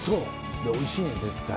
おいしいんよ絶対。